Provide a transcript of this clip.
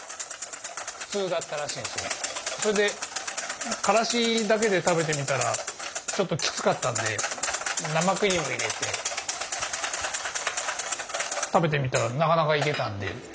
それでからしだけで食べてみたらちょっときつかったんで生クリーム入れて食べてみたらなかなかいけたんで。